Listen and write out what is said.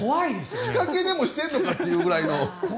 仕掛けでもしているのかというぐらいの。